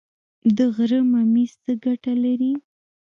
د غره ممیز څه ګټه لري؟